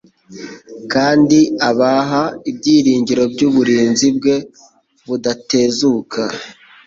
kandi abaha ibyiringiro by'uburinzi bwe budatezuka,